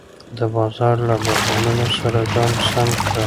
د بازار له بدلونونو سره ځان سم کړه.